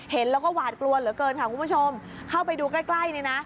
เห็นแล้วก็หวาดกลัวเหลือเกินค่ะคุณผู้ชมเข้าไปดูใกล้ใกล้นี่นะ